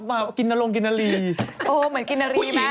พระจันทร์นั่งเทพของผู้หญิง